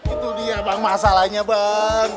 itu dia bang masalahnya bang